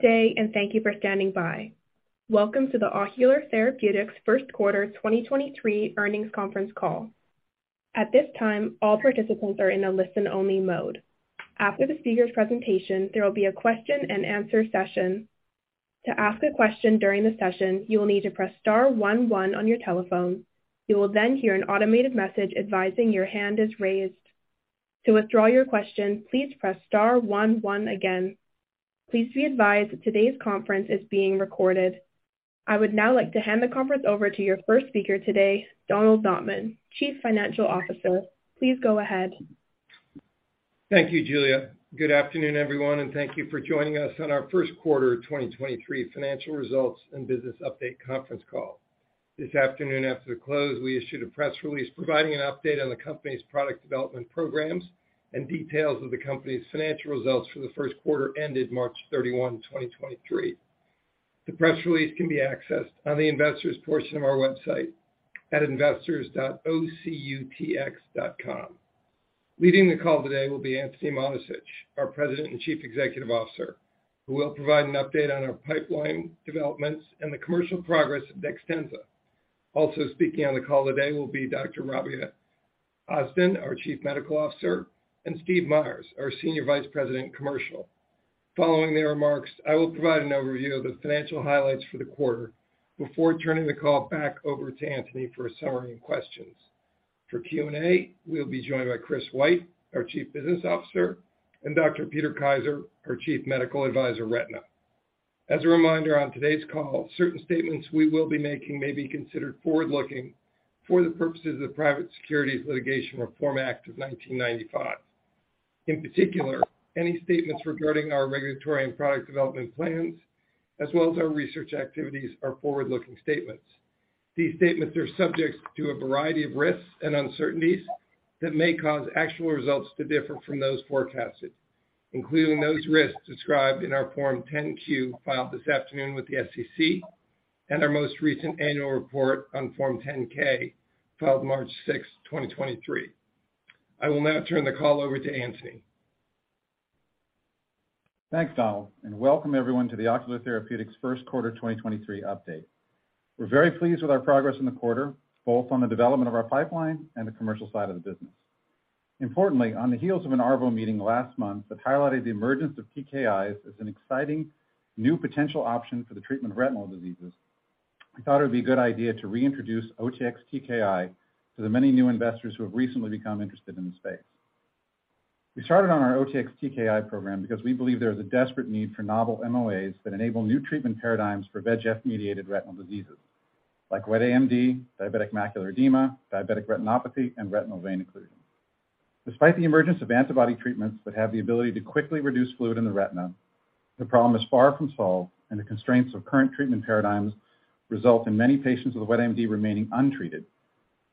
Good day, and thank you for standing by. Welcome to the Ocular Therapeutix First Quarter 2023 Earnings Conference Call. At this time, all participants are in a listen-only mode. After the speaker's presentation, there will be a question-and-answer session. To ask a question during the session, you will need to press star one one on your telephone. You will then hear an automated message advising your hand is raised. To withdraw your question, please press star one one again. Please be advised that today's conference is being recorded. I would now like to hand the conference over to your first speaker today, Donald Notman, Chief Financial Officer. Please go ahead. Thank you, Julia. Good afternoon everyone and thank you for joining us on our first quarter 2023 financial results and business update conference call. This afternoon after the close, we issued a press release providing an update on the company's product development programs and details of the company's financial results for the first quarter ended March 31, 2023. The press release can be accessed on the investors portion of our website at investors.ocutx.com. Leading the call today will be Antony Mattessich, our President and Chief Executive Officer, who will provide an update on our pipeline developments and the commercial progress of DEXTENZA. Also speaking on the call today will be Dr. Rabia Ozden, our Chief Medical Officer, and Steve Meyers, our Senior Vice President, Commercial. Following their remarks, I will provide an overview of the financial highlights for the quarter before turning the call back over to Anthony for a summary and questions. For Q&A, we'll be joined by Chris White, our Chief Business Officer, and Dr. Peter Kaiser, our Chief Medical Advisor, Retina. As a reminder, on today's call, certain statements we will be making may be considered forward-looking for the purposes of the Private Securities Litigation Reform Act of 1995. In particular, any statements regarding our regulatory and product development plans as well as our research activities are forward-looking statements. These statements are subject to a variety of risks and uncertainties that may cause actual results to differ from those forecasted, including those risks described in our Form 10-Q filed this afternoon with the SEC and our most recent annual report on Form 10-K, filed March 6, 2023. I will now turn the call over to Antony. Thanks, Donald. Welcome everyone to the Ocular Therapeutix first quarter 2023 update. We're very pleased with our progress in the quarter, both on the development of our pipeline and the commercial side of the business. Importantly, on the heels of an ARVO meeting last month that highlighted the emergence of TKIs as an exciting new potential option for the treatment of retinal diseases, we thought it would be a good idea to reintroduce OTX-TKI to the many new investors who have recently become interested in the space. We started on our OTX-TKI program because we believe there is a desperate need for novel MOAs that enable new treatment paradigms for VEGF-mediated retinal diseases like wet AMD, diabetic macular edema, diabetic retinopathy, and retinal vein occlusion. Despite the emergence of antibody treatments that have the ability to quickly reduce fluid in the retina, the problem is far from solved and the constraints of current treatment paradigms result in many patients with wet AMD remaining untreated.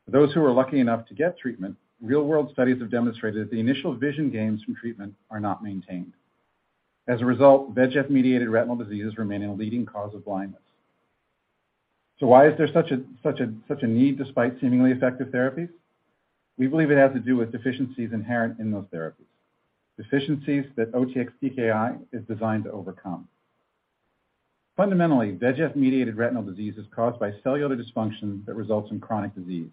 For those who are lucky enough to get treatment, real-world studies have demonstrated that the initial vision gains from treatment are not maintained. VEGF-mediated retinal diseases remain a leading cause of blindness. Why is there such a need despite seemingly effective therapies? We believe it has to do with deficiencies inherent in those therapies. Deficiencies that OTX-TKI is designed to overcome. Fundamentally, VEGF-mediated retinal disease is caused by cellular dysfunction that results in chronic disease.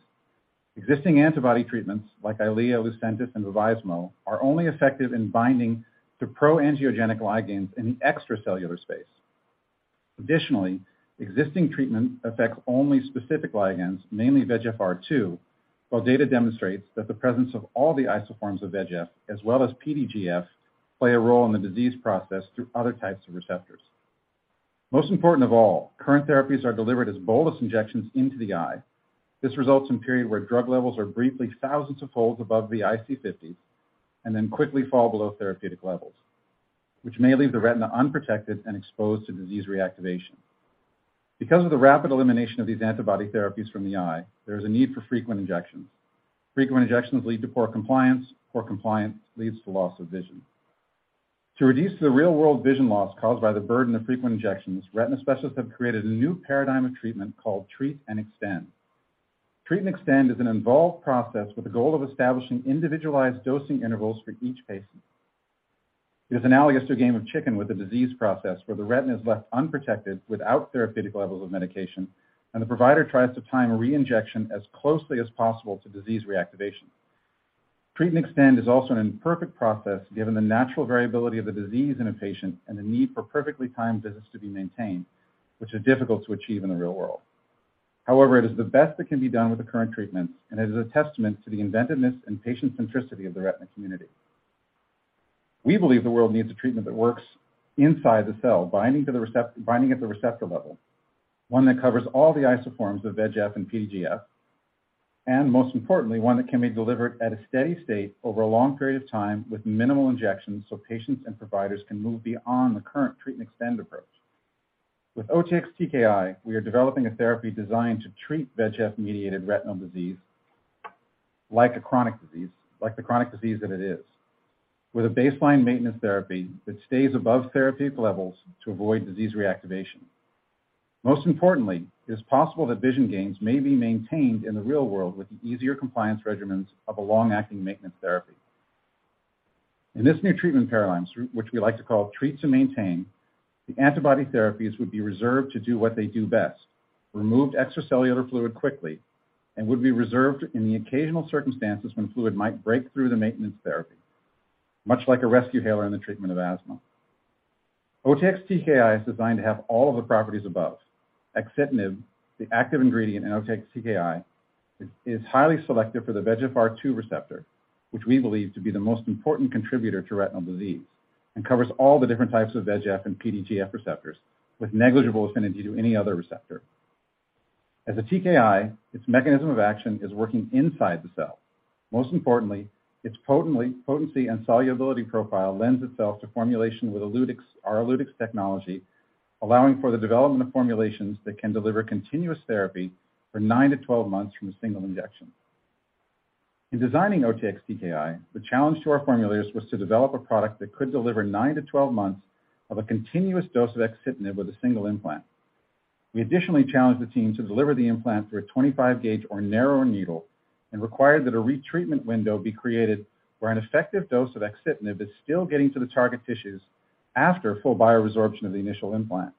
Existing antibody treatments like Eylea, Lucentis, and Vabysmo are only effective in binding to pro-angiogenic ligands in the extracellular space. Additionally, existing treatment affects only specific ligands, mainly VEGFR-2, while data demonstrates that the presence of all the isoforms of VEGF, as well as PDGF, play a role in the disease process through other types of receptors. Most important of all, current therapies are delivered as bolus injections into the eye. This results in period where drug levels are briefly thousands of folds above the IC50 and then quickly fall below therapeutic levels, which may leave the retina unprotected and exposed to disease reactivation. Because of the rapid elimination of these antibody therapies from the eye, there is a need for frequent injections. Frequent injections lead to poor compliance. Poor compliance leads to loss of vision. To reduce the real-world vision loss caused by the burden of frequent injections, retina specialists have created a new paradigm of treatment called treat and extend. Treat and extend is an involved process with the goal of establishing individualized dosing intervals for each patient. It is analogous to a game of chicken with a disease process where the retina is left unprotected without therapeutic levels of medication, and the provider tries to time a re-injection as closely as possible to disease reactivation. Treat and extend is also an imperfect process, given the natural variability of the disease in a patient and the need for perfectly timed visits to be maintained, which are difficult to achieve in the real world. However, it is the best that can be done with the current treatments, and it is a testament to the inventiveness and patient centricity of the retina community. We believe the world needs a treatment that works inside the cell, binding at the receptor level, one that covers all the isoforms of VEGF and PDGF, and most importantly, one that can be delivered at a steady state over a long period of time with minimal injections so patients and providers can move beyond the current treat and extend approach. With OTX-TKI, we are developing a therapy designed to treat VEGF-mediated retinal disease like the chronic disease that it is, with a baseline maintenance therapy that stays above therapeutic levels to avoid disease reactivation. Most importantly, it is possible that vision gains may be maintained in the real world with the easier compliance regimens of a long-acting maintenance therapy. In this new treatment paradigm, which we like to call treat to maintain, the antibody therapies would be reserved to do what they do best, remove extracellular fluid quickly, and would be reserved in the occasional circumstances when fluid might break through the maintenance therapy, much like a rescue inhaler in the treatment of asthma. OTX-TKI is designed to have all of the properties above. Axitinib, the active ingredient in OTX-TKI, is highly selective for the VEGFR-2 receptor, which we believe to be the most important contributor to retinal disease, and covers all the different types of VEGF and PDGF receptors with negligible affinity to any other receptor. As a TKI, its mechanism of action is working inside the cell. Most importantly, its potency and solubility profile lends itself to formulation with our ELUTYX technology, allowing for the development of formulations that can deliver continuous therapy for nine to 12 months from a single injection. In designing OTX-TKI, the challenge to our formulators was to develop a product that could deliver nine to 12 months of a continuous dose of exenatide with a single implant. We additionally challenged the team to deliver the implant through a 25 gauge or narrower needle, and required that a retreatment window be created where an effective dose of exenatide is still getting to the target tissues after full bio-resorption of the initial implant.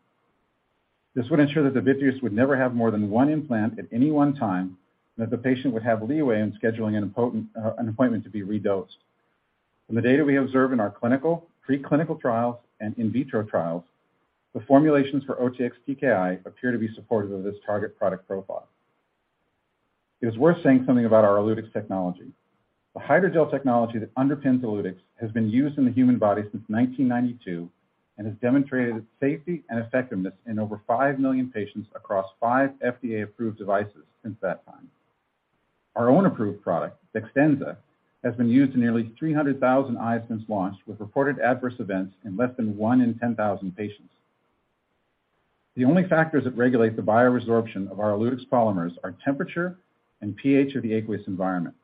This would ensure that the vitreous would never have more than one implant at any one time, and that the patient would have leeway in scheduling an appointment to be redosed. From the data we observe in our clinical, preclinical trials and in vitro trials, the formulations for OTX-TKI appear to be supportive of this target product profile. It is worth saying something about our ELUTYX technology. The hydrogel technology that underpins ELUTYX has been used in the human body since 1992 and has demonstrated its safety and effectiveness in over 5 million patients across 5 FDA-approved devices since that time. Our own approved product, DEXTENZA, has been used in nearly 300,000 eyes since launch, with reported adverse events in less than 1 in 10,000 patients. The only factors that regulate the bio-resorption of our ELUTYX polymers are temperature and pH of the aqueous environment.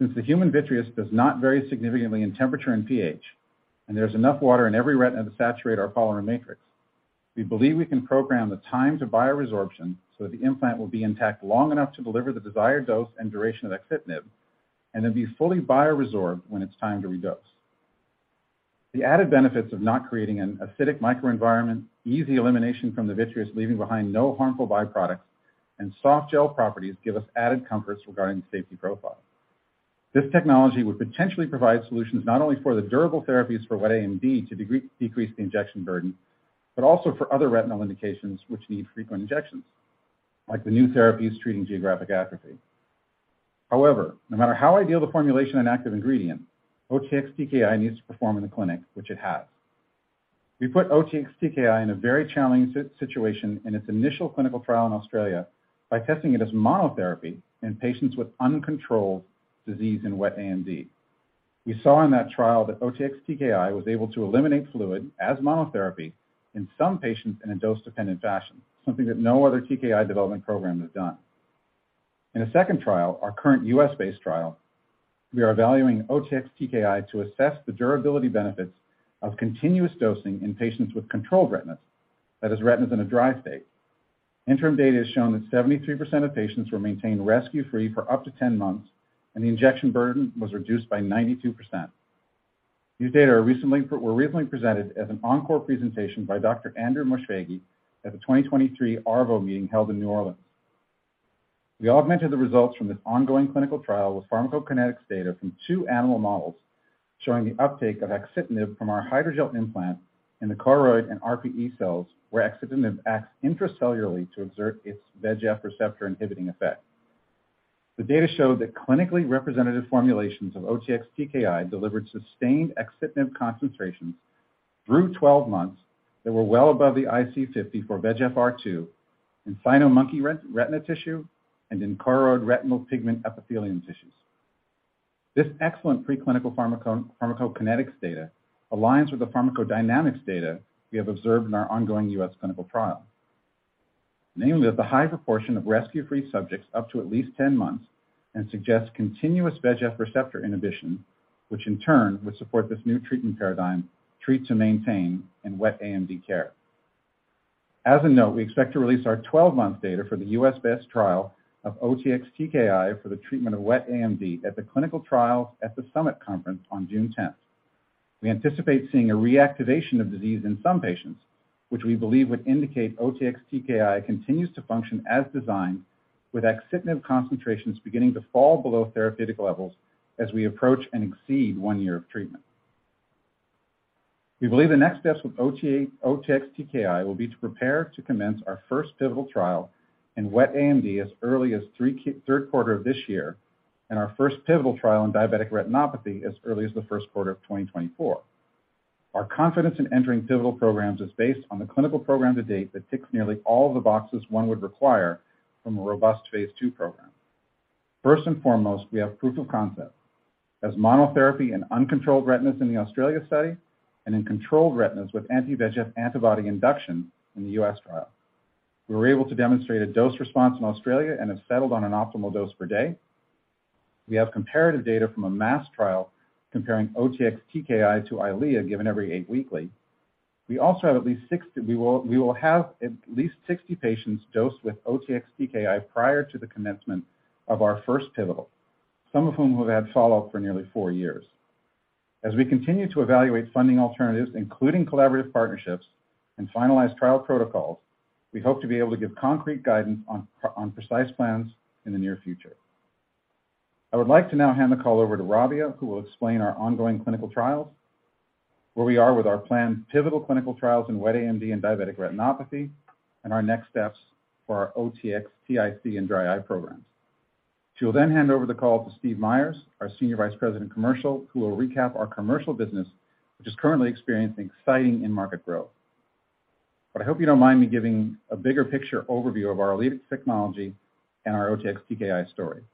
The human vitreous does not vary significantly in temperature and pH, and there's enough water in every retina to saturate our polymer matrix, we believe we can program the time to bioresorption so that the implant will be intact long enough to deliver the desired dose and duration of axitinib, and then be fully bioresorbed when it's time to redose. The added benefits of not creating an acidic microenvironment, easy elimination from the vitreous, leaving behind no harmful byproducts, and soft gel properties give us added comforts regarding the safety profile. This technology would potentially provide solutions not only for the durable therapies for wet AMD to decrease the injection burden, but also for other retinal indications which need frequent injections, like the new therapies treating geographic atrophy. No matter how ideal the formulation and active ingredient, OTX-TKI needs to perform in the clinic, which it has. We put OTX-TKI in a very challenging situation in its initial clinical trial in Australia by testing it as monotherapy in patients with uncontrolled disease in wet AMD. We saw in that trial that OTX-TKI was able to eliminate fluid as monotherapy in some patients in a dose-dependent fashion, something that no other TKI development program has done. In a second trial, our current US-based trial, we are evaluating OTX-TKI to assess the durability benefits of continuous dosing in patients with controlled retinas, that is, retinas in a dry state. Interim data has shown that 73% of patients were maintained rescue-free for up to 10 months, and the injection burden was reduced by 92%. These data were recently presented as an encore presentation by Dr. Andrew Moshfeghi at the 2023 ARVO meeting held in New Orleans. We augmented the results from this ongoing clinical trial with pharmacokinetics data from two animal models, showing the uptake of exenatide from our hydrogel implant in the choroid and RPE cells, where exenatide acts intracellularly to exert its VEGF receptor inhibiting effect. The data show that clinically representative formulations of OTX-TKI delivered sustained exenatide concentrations through 12 months that were well above the IC50 for VEGFR-2 in cynomolgus retina tissue and in choroidal retinal pigment epithelium tissues. This excellent preclinical pharmacokinetics data aligns with the pharmacodynamics data we have observed in our ongoing U.S. clinical trial. Namely, that the high proportion of rescue-free subjects up to at least 10 months and suggests continuous VEGF receptor inhibition, which in turn would support this new treatment paradigm, treat to maintain, in wet AMD care. As a note, we expect to release our 12-month data for the U.S.-based trial of OTX-TKI for the treatment of wet AMD at the Clinical Trials at the Summit Conference on June tenth. We anticipate seeing a reactivation of disease in some patients, which we believe would indicate OTX-TKI continues to function as designed with axitinib concentrations beginning to fall below therapeutic levels as we approach and exceed one year of treatment. We believe the next steps with OTX-TKI will be to prepare to commence our first pivotal trial in wet AMD as early as third quarter of this year, and our first pivotal trial in diabetic retinopathy as early as the first quarter of 2024. Our confidence in entering pivotal programs is based on the clinical program to date that ticks nearly all the boxes one would require from a robust phase II program. First and foremost, we have proof of concept as monotherapy in uncontrolled retinas in the Australia study and in controlled retinas with anti-VEGF antibody induction in the US trial. We were able to demonstrate a dose response in Australia and have settled on an optimal dose per day. We have comparative data from a mass trial comparing OTX-TKI to Eylea given every eight weekly. We also will have at least 60 patients dosed with OTX-TKI prior to the commencement of our first pivotal, some of whom will have follow-up for nearly four years. As we continue to evaluate funding alternatives, including collaborative partnerships and finalized trial protocols, we hope to be able to give concrete guidance on precise plans in the near future. I would like to now hand the call over to Rabia, who will explain our ongoing clinical trials, where we are with our planned pivotal clinical trials in wet AMD and diabetic retinopathy, and our next steps for our OTX-TIC and dry eye programs. She will then hand over the call to Steve Meyers, our Senior Vice President, Commercial, who will recap our commercial business, which is currently experiencing exciting in-market growth. I hope you don't mind me giving a bigger picture overview of our ELUTYX technology and our OTX-TKI story.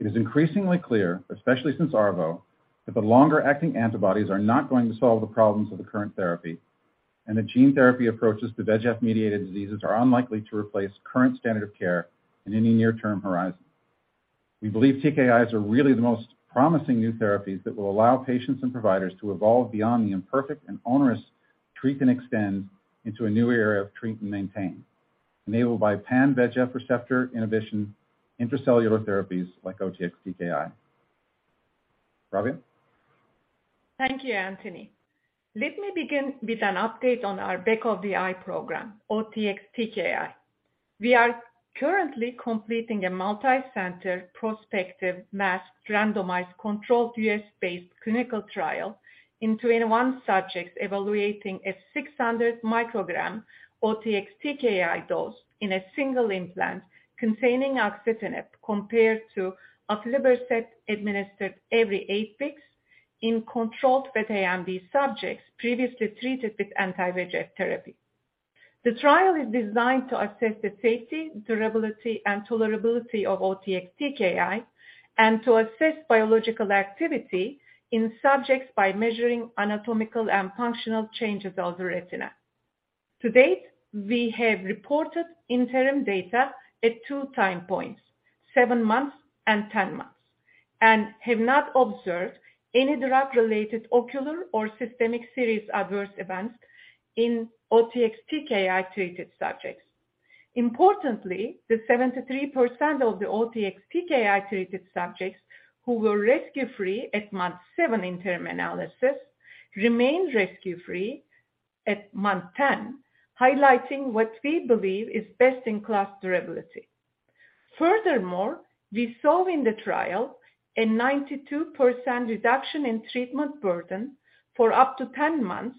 It is increasingly clear, especially since ARVO, that the longer-acting antibodies are not going to solve the problems of the current therapy, and that gene therapy approaches to VEGF-mediated diseases are unlikely to replace current standard of care in any near-term horizon. We believe TKIs are really the most promising new therapies that will allow patients and providers to evolve beyond the imperfect and onerous treat and extend into a new era of treat and maintain, enabled by pan VEGF receptor inhibition intracellular therapies like OTX-TKI. Rabia. Thank you, Antony. Let me begin with an update on our [inaudibile] program, OTX-TKI. We are currently completing a multicenter prospective masked randomized controlled U.S.-based clinical trial in 21 subjects evaluating a 600 microgram OTX-TKI dose in a single implant containing axitinib compared to aflibercept administered every eight weeks in controlled wet AMD subjects previously treated with anti-VEGF therapy. The trial is designed to assess the safety, durability, and tolerability of OTX-TKI and to assess biological activity in subjects by measuring anatomical and functional changes of the retina. To date, we have reported interim data at two time points, seven months and 10 months, and have not observed any drug-related ocular or systemic serious adverse events in OTX-TKI-treated subjects. Importantly, the 73% of the OTX-TKI-treated subjects who were rescue-free at month 7 interim analysis remained rescue-free at month 10, highlighting what we believe is best-in-class durability. Furthermore, we saw in the trial a 92% reduction in treatment burden for up to 10 months,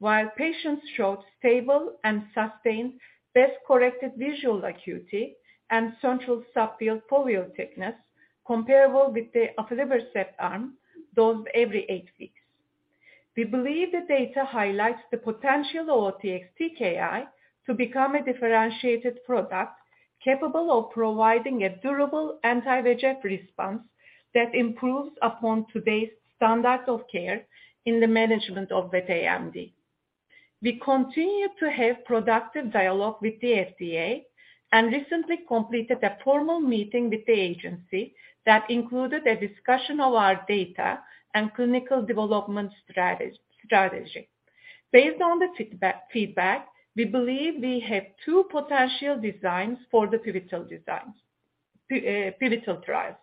while patients showed stable and sustained best-corrected visual acuity and central subfield retinal thickness comparable with the aflibercept arm dosed every eight weeks. We believe the data highlights the potential of OTX-TKI to become a differentiated product capable of providing a durable anti-VEGF response that improves upon today's standards of care in the management of wet AMD. We continue to have productive dialogue with the FDA and recently completed a formal meeting with the agency that included a discussion of our data and clinical development strategy. Based on the feedback, we believe we have two potential designs for the pivotal designs... pivotal trials.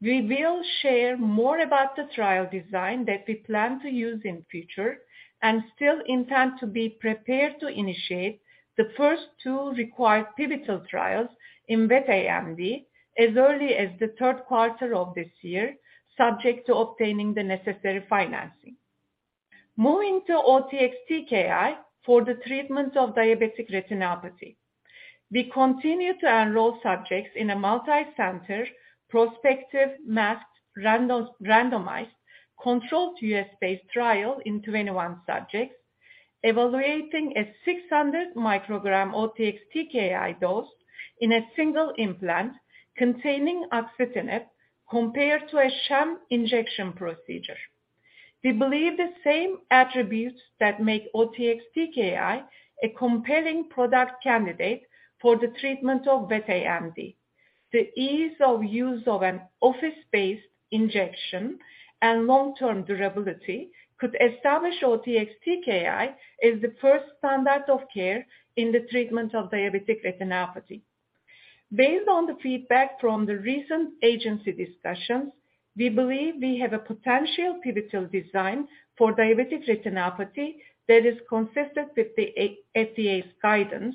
We will share more about the trial design that we plan to use in future and still intend to be prepared to initiate the first two required pivotal trials in wet AMD as early as the third quarter of this year, subject to obtaining the necessary financing. Moving to OTX-TKI for the treatment of diabetic retinopathy. We continue to enroll subjects in a multicenter prospective masked randomized controlled U.S.-based trial in 21 subjects, evaluating a 600 microgram OTX-TKI dose in a single implant containing axitinib compared to a sham injection procedure. We believe the same attributes that make OTX-TKI a compelling product candidate for the treatment of wet AMD. The ease of use of an office-based injection and long-term durability could establish OTX-TKI as the first standard of care in the treatment of diabetic retinopathy. Based on the feedback from the recent agency discussions, we believe we have a potential pivotal design for diabetic retinopathy that is consistent with the FDA's guidance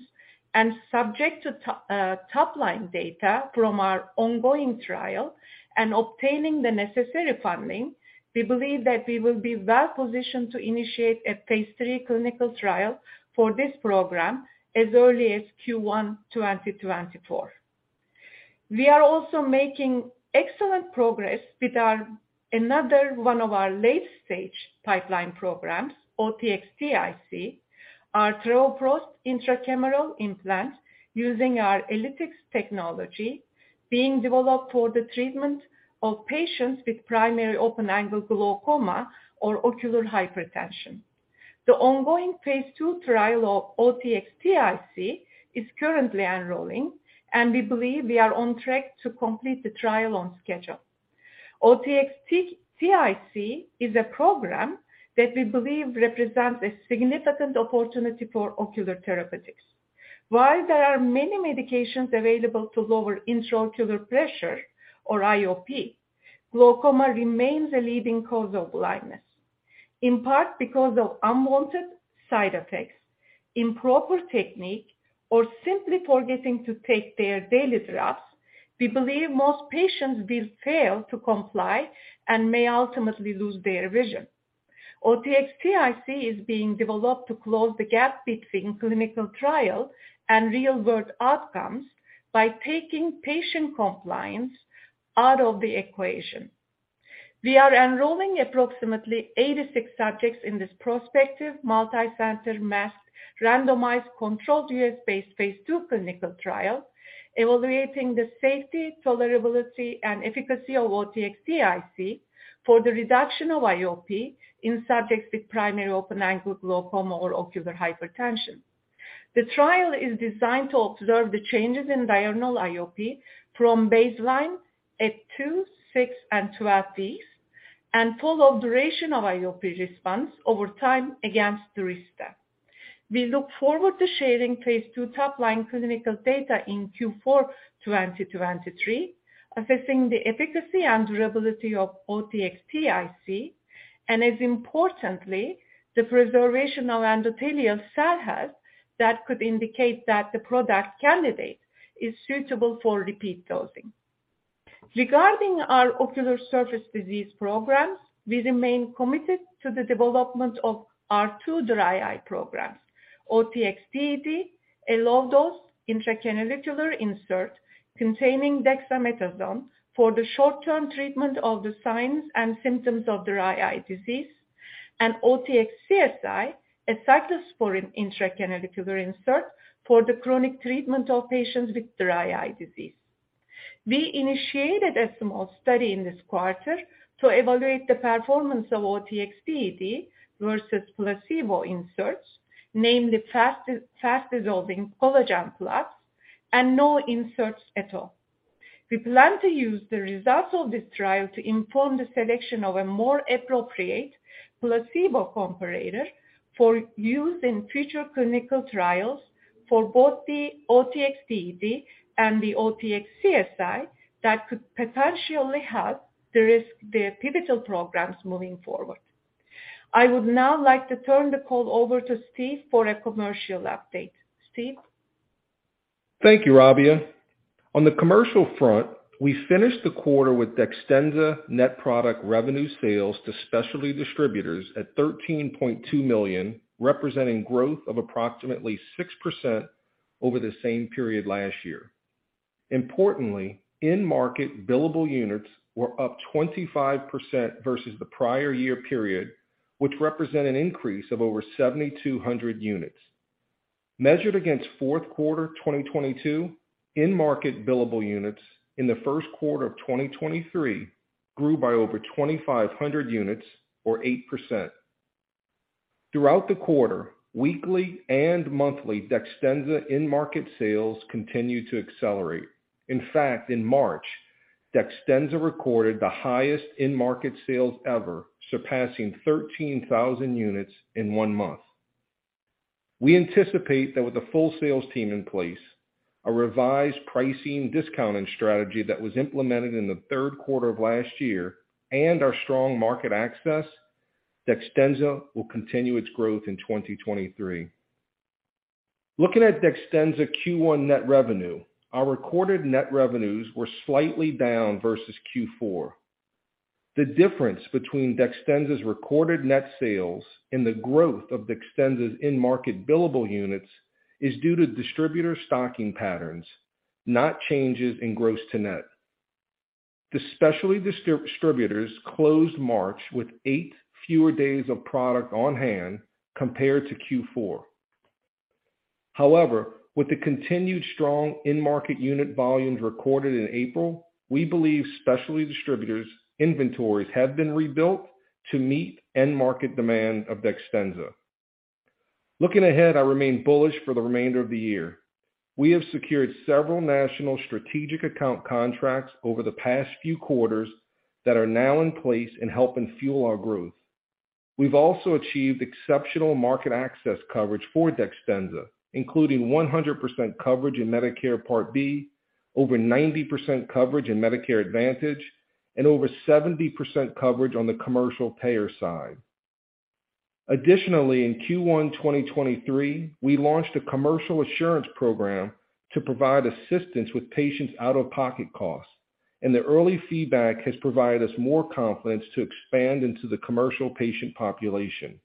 and subject to top-line data from our ongoing trial and obtaining the necessary funding. We believe that we will be well-positioned to initiate a phase III clinical trial for this program as early as Q1 2024. We are also making excellent progress with another one of our late-stage pipeline programs, OTX-TIC, our travoprost intracameral implant using our ELUTYX technology being developed for the treatment of patients with primary open-angle glaucoma or ocular hypertension. The ongoing phase II trial of OTX-TIC is currently enrolling, and we believe we are on track to complete the trial on schedule. OTX-TIC is a program that we believe represents a significant opportunity for Ocular Therapeutix. While there are many medications available to lower intraocular pressure or IOP, glaucoma remains a leading cause of blindness. In part because of unwanted side effects, improper technique, or simply forgetting to take their daily drops, we believe most patients will fail to comply and may ultimately lose their vision. OTX-TIC is being developed to close the gap between clinical trial and real-world outcomes by taking patient compliance out of the equation. We are enrolling approximately 86 subjects in this prospective multicenter, masked, randomized, controlled U.S.-based phase II clinical trial, evaluating the safety, tolerability, and efficacy of OTX-TIC for the reduction of IOP in subjects with primary open-angle glaucoma or ocular hypertension. The trial is designed to observe the changes in diurnal IOP from baseline at two, six, and 12 weeks, and follow duration of IOP response over time against DURYSTA. We look forward to sharing phase II top line clinical data in Q4 2023, assessing the efficacy and durability of OTX-TIC, and as importantly, the preservation of endothelial cell health that could indicate that the product candidate is suitable for repeat dosing. Regarding our ocular surface disease programs, we remain committed to the development of our two dry eye programs, OTX-DED, a low-dose intracanalicular insert containing dexamethasone for the short-term treatment of the signs and symptoms of dry eye disease. OTX-CSI, a cyclosporine intracanalicular insert for the chronic treatment of patients with dry eye disease. We initiated a small study in this quarter to evaluate the performance of OTX-DED versus placebo inserts, namely fast, fast-dissolving collagen plugs and no inserts at all. We plan to use the results of this trial to inform the selection of a more appropriate placebo comparator for use in future clinical trials for both the OTX-DED and the OTX-CSI that could potentially help de risk the pivotal programs moving forward. I would now like to turn the call over to Steve for a commercial update. Steve? Thank you, Rabia. On the commercial front, we finished the quarter with DEXTENZA net product revenue sales to specialty distributors at $13.2 million, representing growth of approximately 6% over the same period last year. In-market billable units were up 25% versus the prior year period, which represent an increase of over 7,200 units. Measured against Q4 2022, in-market billable units in Q1 2023 grew by over 2,500 units or 8%. Throughout the quarter, weekly and monthly DEXTENZA in-market sales continued to accelerate. In March, DEXTENZA recorded the highest in-market sales ever, surpassing 13,000 units in one month. We anticipate that with the full sales team in place, a revised pricing discounting strategy that was implemented in the third quarter of last year, and our strong market access, DEXTENZA will continue its growth in 2023. Looking at DEXTENZA Q1 net revenue, our recorded net revenues were slightly down versus Q4. The difference between DEXTENZA's recorded net sales and the growth of DEXTENZA's in-market billable units is due to distributor stocking patterns, not changes in gross to net. The specialty distributors closed March with eight fewer days of product on hand compared to Q4. With the continued strong in-market unit volumes recorded in April, we believe specialty distributors' inventories have been rebuilt to meet end market demand of DEXTENZA. Looking ahead, I remain bullish for the remainder of the year. We have secured several national strategic account contracts over the past few quarters that are now in place in helping fuel our growth. We've also achieved exceptional market access coverage for DEXTENZA, including 100% coverage in Medicare Part B, over 90% coverage in Medicare Advantage, and over 70% coverage on the commercial payer side. In Q1 2023, we launched a commercial assurance program to provide assistance with patients' out-of-pocket costs, and the early feedback has provided us more confidence to expand into the commercial patient population.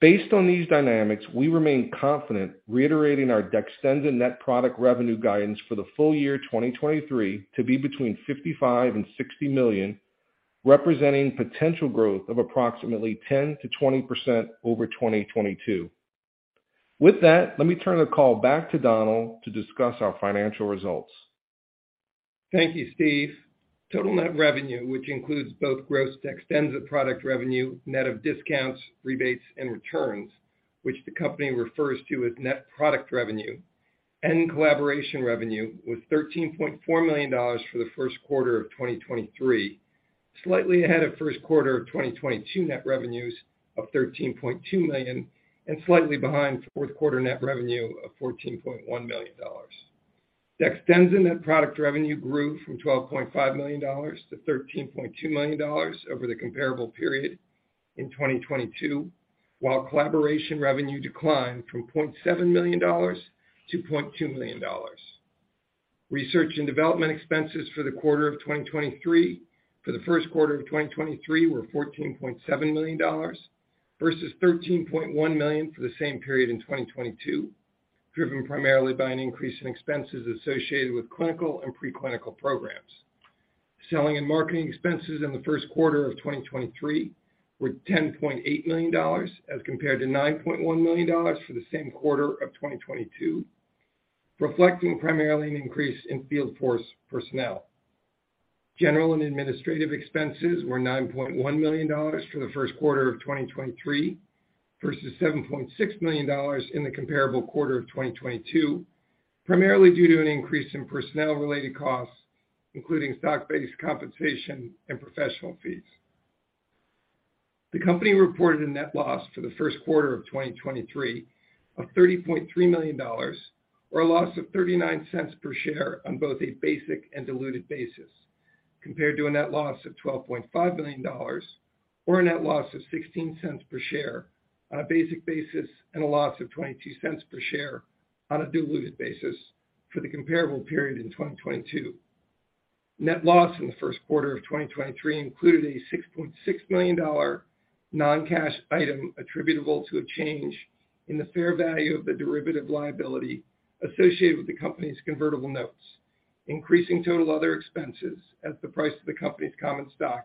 Based on these dynamics, we remain confident reiterating our DEXTENZA net product revenue guidance for the full year 2023 to be between $55 million and $60 million, representing potential growth of approximately 10%-20% over 2022. With that, let me turn the call back to Donald to discuss our financial results. Thank you, Steve. Total net revenue, which includes both gross DEXTENZA product revenue, net of discounts, rebates, and returns, which the company refers to as net product revenue, and collaboration revenue was $13.4 million for the first quarter of 2023, slightly ahead of first quarter of 2022 net revenues of $13.2 million and slightly behind fourth quarter net revenue of $14.1 million. DEXTENZA net product revenue grew from $12.5 million-$13.2 million over the comparable period in 2022, while collaboration revenue declined from $0.7 million to $0.2 million. Research and development expenses for the first quarter of 2023 were $14.7 million versus $13.1 million for the same period in 2022, driven primarily by an increase in expenses associated with clinical and preclinical programs. Selling and marketing expenses in the first quarter of 2023 were $10.8 million as compared to $9.1 million for the same quarter of 2022, reflecting primarily an increase in field force personnel. General and administrative expenses were $9.1 million for the first quarter of 2023 versus $7.6 million in the comparable quarter of 2022, primarily due to an increase in personnel-related costs, including stock-based compensation and professional fees. The company reported a net loss for the first quarter of 2023 of $30.3 million or a loss of $0.39 per share on both a basic and diluted basis, compared to a net loss of $12.5 million or a net loss of $0.16 per share on a basic basis and a loss of $0.22 per share on a diluted basis for the comparable period in 2022. Net loss in the first quarter of 2023 included a $6.6 million non-cash item attributable to a change in the fair value of the derivative liability associated with the company's convertible notes, increasing total other expenses as the price of the company's common stock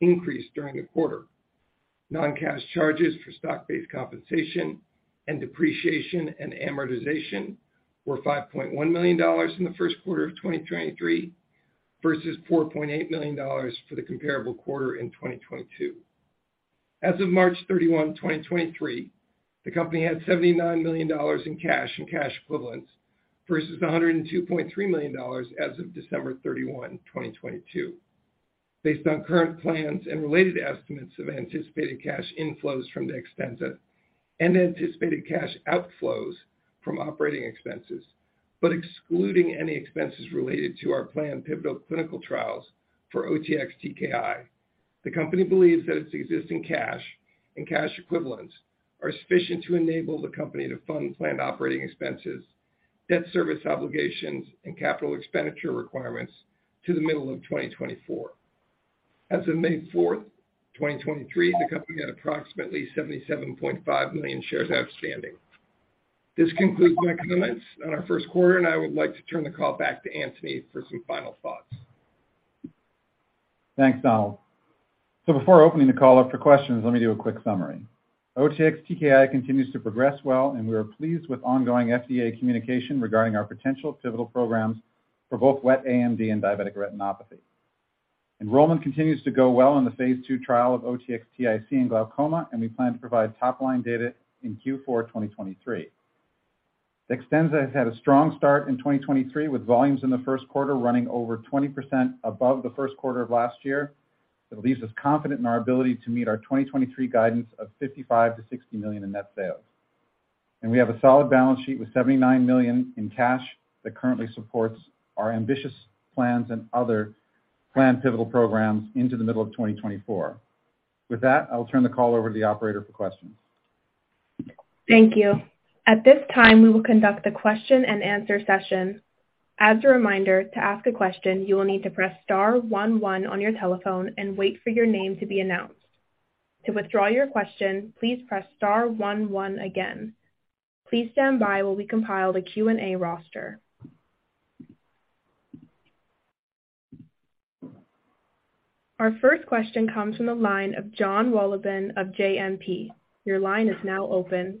increased during the quarter. Non-cash charges for stock-based compensation and depreciation and amortization were $5.1 million in the first quarter of 2023 versus $4.8 million for the comparable quarter in 2022. As of March 31, 2023, the company had $79 million in cash and cash equivalents versus $102.3 million as of December 31, 2022. Based on current plans and related estimates of anticipated cash inflows from DEXTENZA and anticipated cash outflows from operating expenses, but excluding any expenses related to our planned pivotal clinical trials for OTX-TKI, the company believes that its existing cash and cash equivalents are sufficient to enable the company to fund planned operating expenses, debt service obligations, and capital expenditure requirements to the middle of 2024. As of May 4, 2023, the company had approximately 77.5 million shares outstanding. This concludes my comments on our first quarter. I would like to turn the call back to Antony for some final thoughts. Thanks, Donald. Before opening the call up for questions, let me do a quick summary. OTX-TKI continues to progress well, and we are pleased with ongoing FDA communication regarding our potential pivotal programs for both wet AMD and diabetic retinopathy. Enrollment continues to go well in the phase II trial of OTX-TIC in glaucoma, and we plan to provide top-line data in Q4 2023. DEXTENZA has had a strong start in 2023, with volumes in the first quarter running over 20% above the first quarter of last year. It leaves us confident in our ability to meet our 2023 guidance of $55 million-$60 million in net sales. We have a solid balance sheet with $79 million in cash that currently supports our ambitious plans and other planned pivotal programs into the middle of 2024. With that, I'll turn the call over to the operator for questions. Thank you. At this time, we will conduct the question-and-answer session. As a reminder, to ask a question, you will need to press star one one on your telephone and wait for your name to be announced. To withdraw your question, please press star one one again. Please stand by while we compile the Q&A roster. Our first question comes from the line of Jon Wolleben of JMP. Your line is now open.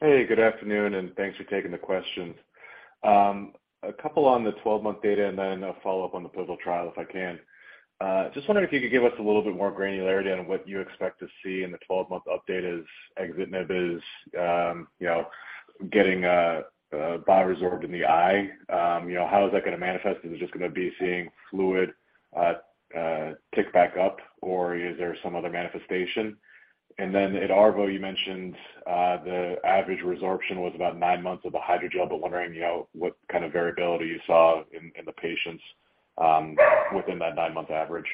Hey, good afternoon, and thanks for taking the questions. A couple on the 12-month data and then a follow-up on the pivotal trial, if I can. Just wondering if you could give us a little bit more granularity on what you expect to see in the 12-month update as axitinib is, you know, getting bioabsorbed in the eye. You know, how is that gonna manifest? Is it just gonna be seeing fluid tick back up, or is there some other manifestation? At ARVO, you mentioned the average resorption was about 9 months of the hydrogel. Wondering, you know, what kind of variability you saw in the patients within that nine-month average?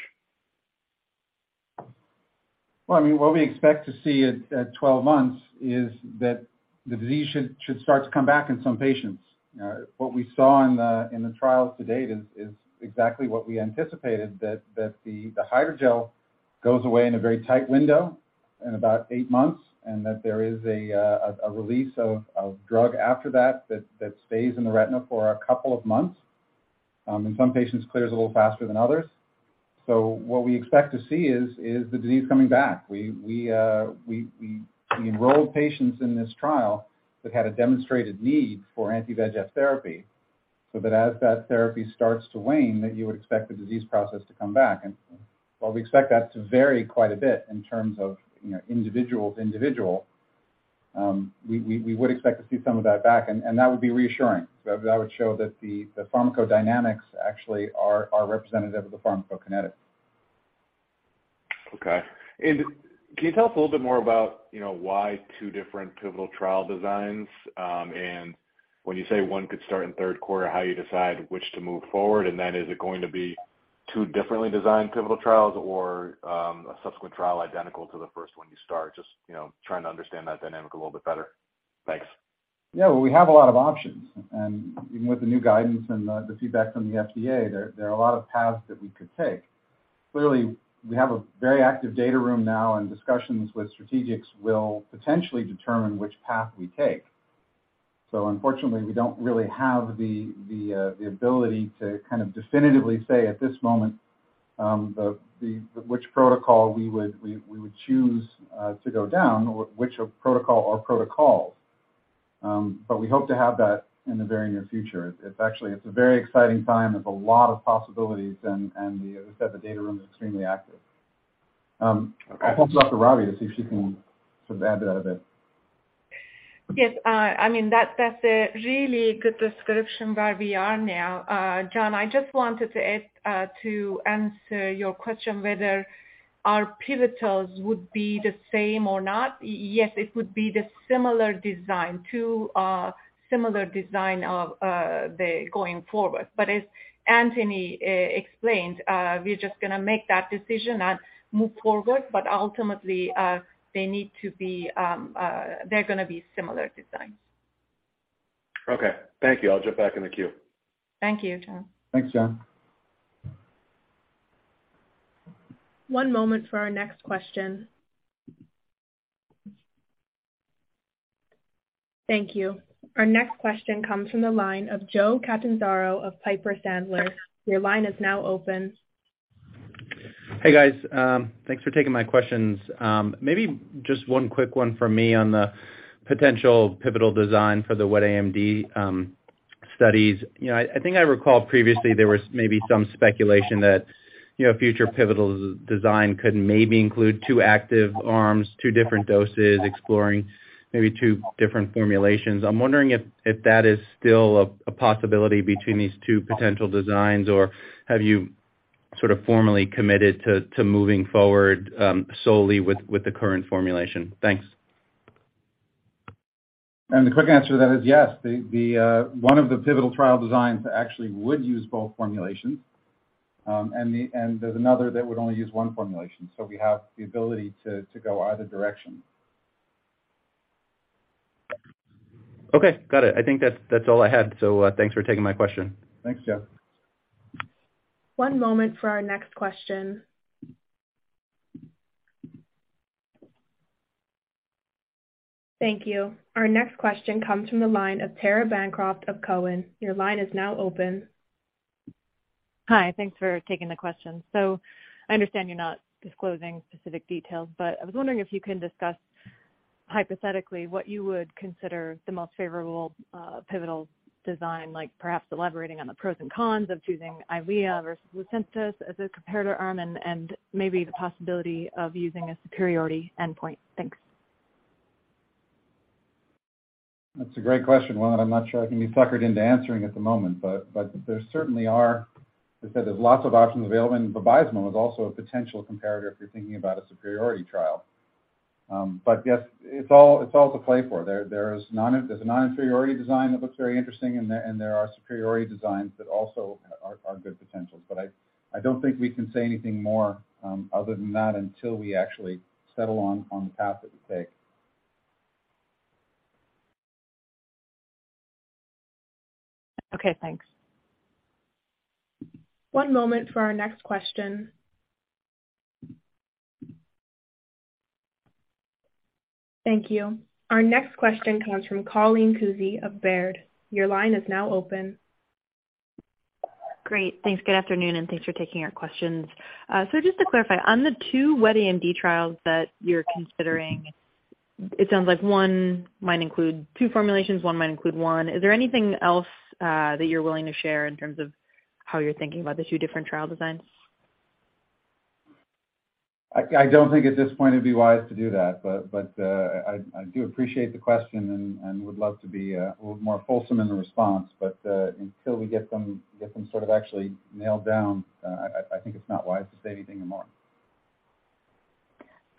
Well, I mean, what we expect to see at 12 months is that the disease should start to come back in some patients. What we saw in the trials to date is exactly what we anticipated, that the hydrogel goes away in a very tight window in about eight months, and that there is a release of drug after that stays in the retina for a couple of months. In some patients clears a little faster than others. What we expect to see is the disease coming back. We enrolled patients in this trial that had a demonstrated need for anti-VEGF therapy, so that as that therapy starts to wane, that you would expect the disease process to come back. While we expect that to vary quite a bit in terms of, you know, individual to individual, we would expect to see some of that back, and that would be reassuring. That would show that the pharmacodynamics actually are representative of the pharmacokinetics. Okay. Can you tell us a little bit more about, you know, why two different pivotal trial designs? When you say one could start in third quarter, how you decide which to move forward, and then is it going to be two differently designed pivotal trials or a subsequent trial identical to the first one you start? You know, trying to understand that dynamic a little bit better. Thanks. Yeah. Well, we have a lot of options. Even with the new guidance and the feedback from the FDA, there are a lot of paths that we could take. Clearly, we have a very active data room now, and discussions with strategics will potentially determine which path we take. Unfortunately, we don't really have the ability to kind of definitively say at this moment, which protocol we would choose to go down or which protocol or protocols. We hope to have that in the very near future. It's actually, it's a very exciting time. There's a lot of possibilities and the, as I said, the data room is extremely active. Okay. I'll turn to Dr. Rabia to see if she can sort of add to that a bit. Yes. I mean, that's a really good description where we are now. John, I just wanted to ask to answer your question whether our pivotals would be the same or not. Yes, it would be the similar design of the going forward. As Anthony explained, we're just gonna make that decision and move forward. Ultimately, they need to be, they're gonna be similar designs. Okay. Thank you. I'll jump back in the queue. Thank you, Jon. Thanks, Jon. One moment for our next question. Thank you. Our next question comes from the line of Joe Catanzaro of Piper Sandler. Your line is now open. Hey, guys. Thanks for taking my questions. Maybe just one quick one from me on the potential pivotal design for the wet AMD studies. You know, I think I recall previously there was maybe some speculation that, you know, future pivotal design could maybe include two active arms, two different doses, exploring maybe two different formulations. I'm wondering if that is still a possibility between these two potential designs, or have you sort of formally committed to moving forward solely with the current formulation? Thanks. The quick answer to that is yes. The one of the pivotal trial designs actually would use both formulations. And there's another that would only use one formulation. We have the ability to go either direction. Okay. Got it. I think that's all I had. Thanks for taking my question. Thanks, Joe. One moment for our next question. Thank you. Our next question comes from the line of Tara Bancroft of Cowen. Your line is now open. Hi. Thanks for taking the question. I understand you're not disclosing specific details, but I was wondering if you can discuss hypothetically what you would consider the most favorable pivotal design, like perhaps elaborating on the pros and cons of choosing Eylea versus Lucentis as a comparator arm and maybe the possibility of using a superiority endpoint? Thanks. That's a great question. One that I'm not sure I can be suckered into answering at the moment, but there certainly are, as I said, there's lots of options available, and Bevacizumab is also a potential comparator if you're thinking about a superiority trial. Yes, it's all, it's all to play for. There is a non-inferiority design that looks very interesting, and there are superiority designs that also are good potentials. I don't think we can say anything more other than that until we actually settle on the path that we take. Okay, thanks. One moment for our next question. Thank you. Our next question comes from Colleen Kusy of Baird. Your line is now open. Great. Thanks. Good afternoon, and thanks for taking our questions. Just to clarify, on the two wet AMD trials that you're considering, it sounds like one might include two formulations, one might include one. Is there anything else that you're willing to share in terms of how you're thinking about the two different trial designs? I don't think at this point it'd be wise to do that, but I do appreciate the question and would love to be, a little more fulsome in the response. Until we get them sort of actually nailed down, I think it's not wise to say anything more.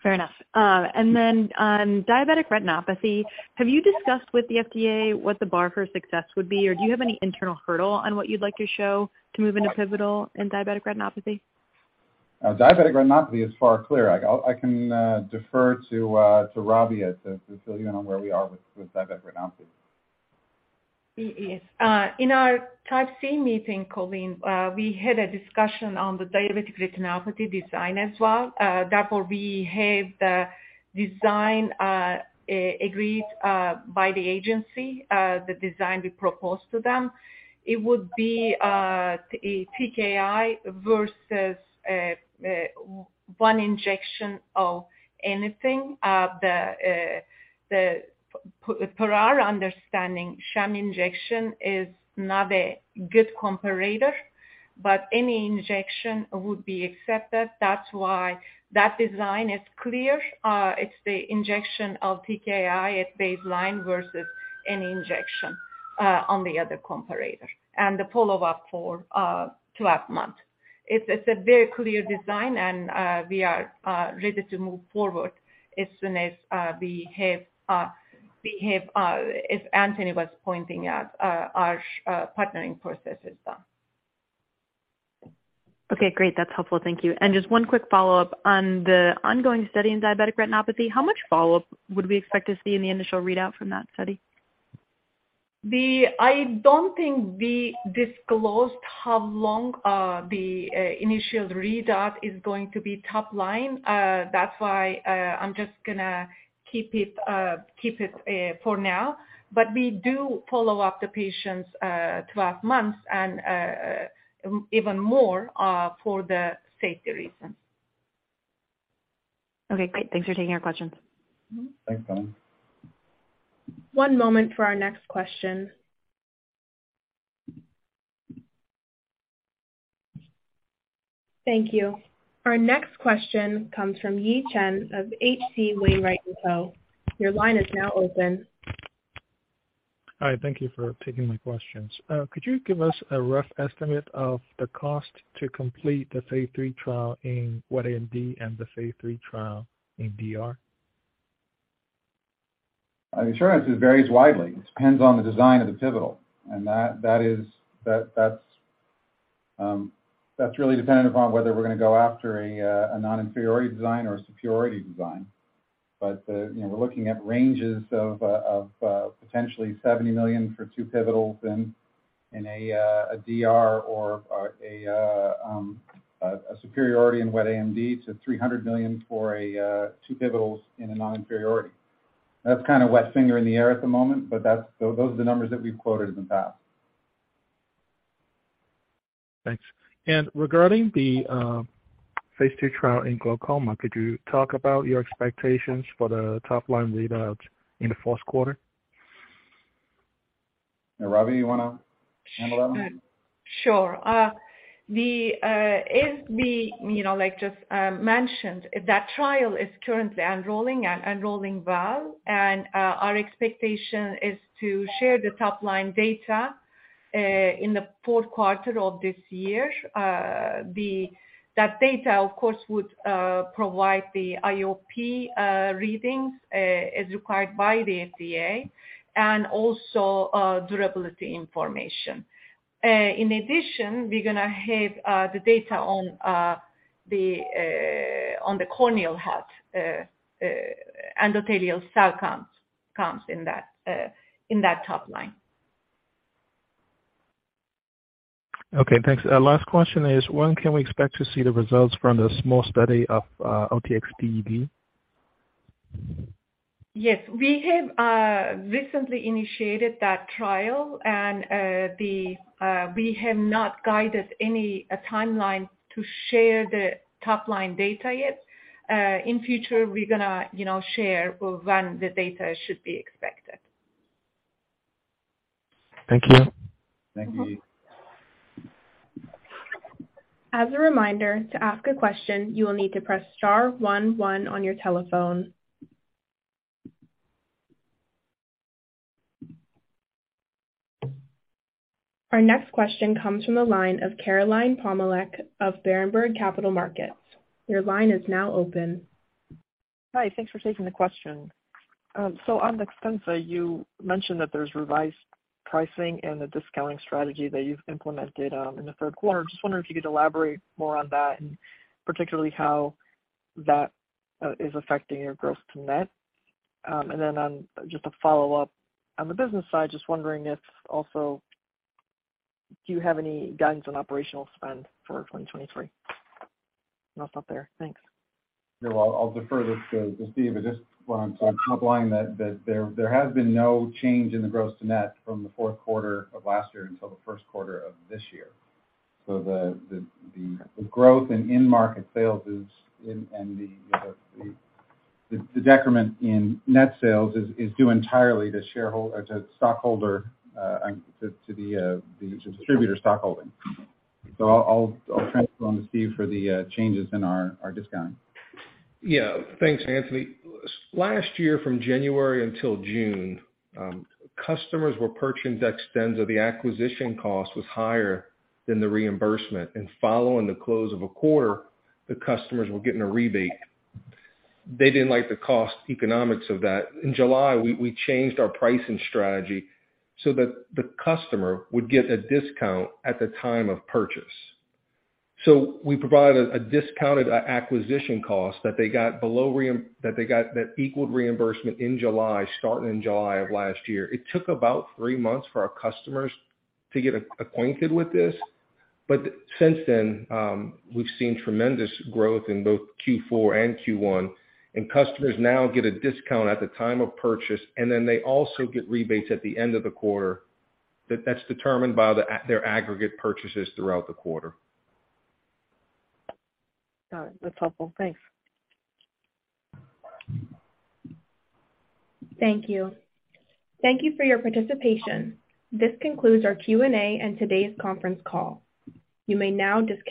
Fair enough. Then on diabetic retinopathy, have you discussed with the FDA what the bar for success would be, or do you have any internal hurdle on what you'd like to show to move into pivotal in diabetic retinopathy? Diabetic retinopathy is far clear. I can defer to Rabia to fill you in on where we are with diabetic retinopathy. Yes. In our Type C meeting, Colleen, we had a discussion on the diabetic retinopathy design as well. That will behave the design agreed by the Agency, the design we proposed to them. It would be a TKI versus one injection of anything. The... Per our understanding, sham injection is not a good comparator, but any injection would be accepted. That's why that design is clear. It's the injection of TKI at baseline versus any injection on the other comparator and the follow-up for 12 months. It's a very clear design, and we are ready to move forward as soon as we have, as Anthony was pointing out, our partnering process is done. Okay, great. That's helpful. Thank you. Just one quick follow-up. On the ongoing study in diabetic retinopathy, how much follow-up would we expect to see in the initial readout from that study? I don't think we disclosed how long, the initial readout is going to be top line. That's why, I'm just gonna keep it for now. We do follow up the patients, 12 months and, even more, for the safety reasons. Okay, great. Thanks for taking our questions. Mm-hmm. Thanks, Colleen. One moment for our next question. Thank you. Our next question comes from Yi Chen of H.C. Wainwright & Co. Your line is now open. Hi. Thank you for taking my questions. Could you give us a rough estimate of the cost to complete the phase three trial in wet AMD and the phase three trial in DR? I can assure you it varies widely. It depends on the design of the pivotal. That's really dependent upon whether we're gonna go after a non-inferiority design or a superiority design. You know, we're looking at ranges of potentially $70 million for two pivotals in a DR or a superiority in wet AMD to $300 million for a two pivotals in a non-inferiority. That's kinda wet finger in the air at the moment, but that's. Those are the numbers that we've quoted in the past. Thanks. Regarding the phase II trial in glaucoma, could you talk about your expectations for the top-line readout in the fourth quarter? Rabi, you wanna handle that one? Sure. As we, you know, like just mentioned, that trial is currently enrolling and enrolling well. Our expectation is to share the top-line data in the fourth quarter of this year. That data, of course, would provide the IOP readings as required by the FDA and also durability information. In addition, we're gonna have the data on the corneal health, endothelial cell counts in that top line. Okay, thanks. Last question is, when can we expect to see the results from the small study of OTX-DED? Yes. We have recently initiated that trial, and the we have not guided any timeline to share the top-line data yet. In future, we're gonna, you know, share when the data should be expected. Thank you. Thank you, Yi. As a reminder, to ask a question, you will need to press star one one on your telephone. Our next question comes from the line of Caroline Palomeque of Berenberg Capital Markets. Your line is now open. Hi. Thanks for taking the question. On DEXTENZA, you mentioned that there's revised pricing and a discounting strategy that you've implemented in the third quarter. Just wondering if you could elaborate more on that and particularly how that is affecting your gross net. Just a follow-up. On the business side, just wondering if also, do you have any guidance on operational spend for 2023? I'll stop there. Thanks. Yeah. I'll defer this to Steve. I just wanna say top line that there has been no change in the gross net from the fourth quarter of last year until the first quarter of this year. The growth in in-market sales is in, and the decrement in net sales is due entirely to shareholder, to stockholder, to the distributor stockholding. I'll transfer on to Steve for the changes in our discounting. Thanks, Antony. Last year, from January until June, customers were purchasing DEXTENZA. The acquisition cost was higher than the reimbursement, and following the close of a quarter, the customers were getting a rebate. They didn't like the cost economics of that. In July, we changed our pricing strategy so that the customer would get a discount at the time of purchase. We provided a discounted acquisition cost that they got below that they got that equaled reimbursement in July, starting in July of last year. It took about three months for our customers to get acquainted with this. Since then, we've seen tremendous growth in both Q4 and Q1, and customers now get a discount at the time of purchase, and then they also get rebates at the end of the quarter that's determined by their aggregate purchases throughout the quarter. Got it. That's helpful. Thanks. Thank you. Thank you for your participation. This concludes our Q&A and today's conference call. You may now disconnect.